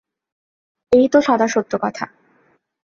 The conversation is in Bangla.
এই তো সদা সত্য কথা।